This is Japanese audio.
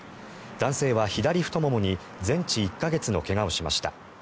男性は左太ももに全治１か月の怪我をしました。